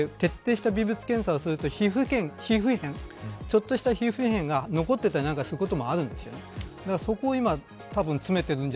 この靴下で徹底した微物検査をするとちょっとした皮膚片が残っていたりなんかすることもあるんですよね。